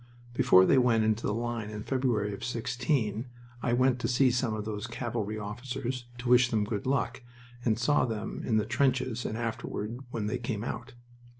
Before they went into the line in February of '16 I went to see some of those cavalry officers to wish them good luck, and saw them in the trenches and afterward when they came out.